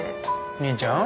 兄ちゃん？